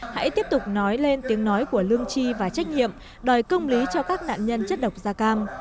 hãy tiếp tục nói lên tiếng nói của lương chi và trách nhiệm đòi công lý cho các nạn nhân chất độc da cam